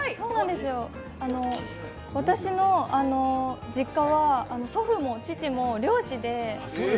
私の実家は祖父も父も漁師で。